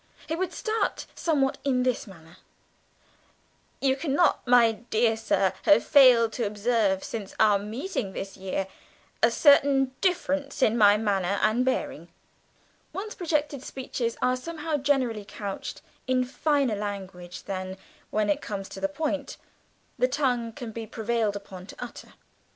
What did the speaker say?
He would start somewhat in this manner: "You cannot, my dear sir, have failed to observe since our meeting this year, a certain difference in my manner and bearing" one's projected speeches are somehow generally couched in finer language than, when it comes to the point, the tongue can be prevailed upon to utter.